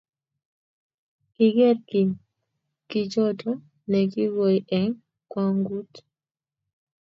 kigeer Kim chichoto negikoi eng kwanguut